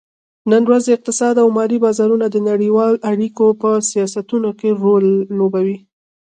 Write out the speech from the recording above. نن ورځ اقتصاد او مالي بازارونه د نړیوالو اړیکو په سیاستونو کې رول لوبوي